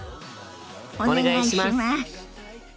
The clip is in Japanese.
お願いします！